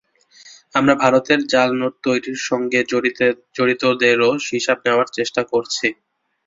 আমরা ভারতের জাল নোট তৈরির সঙ্গে জড়িতদেরও হিসাব নেওয়ার চেষ্টা করছি।